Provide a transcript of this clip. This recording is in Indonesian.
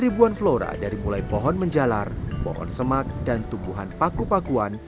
ribuan flora dari mulai pohon menjalar pohon semak dan tumbuhan paku pakuan